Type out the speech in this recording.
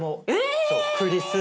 えっ！